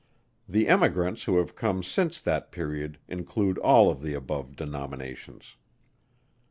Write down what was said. The Emigrants who have come since that period include all the above denominations.